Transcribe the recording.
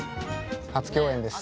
初共演です。